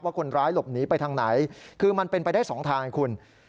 คนร้ายหลบหนีไปทางไหนคือมันเป็นไปได้สองทางให้คุณ